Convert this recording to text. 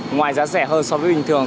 ngoài giá rẻ hơn so với bình thường